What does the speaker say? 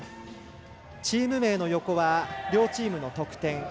チーム名の横は両チームの得点。